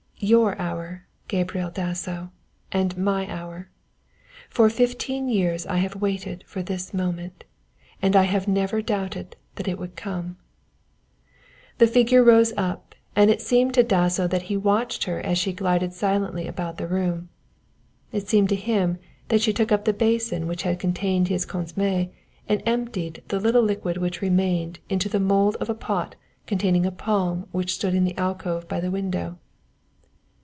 " your hour, Gabriel Dasso, and my hour. For fifteen years I have waited for this moment, and I have never doubted but that it would come " The figure rose up and it seemed to Dasso that he watched her as she glided silently about the room. It seemed to him that she took up the basin which had contained his consommé and emptied the little liquid which remained into the mould of a pot containing a palm which stood in the alcove by the window.